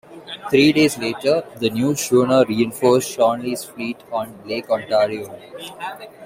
Three days later, the new schooner reinforced Chauncey's fleet on Lake Ontario.